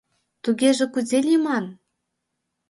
Тугеже кузе лийман?